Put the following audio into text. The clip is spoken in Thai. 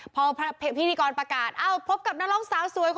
พอพิธีกรประกาศเอ้าพบกับนักร้องสาวสวย